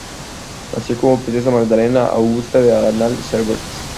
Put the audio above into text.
Nació como princesa Magdalena Augusta de Anhalt-Zerbst.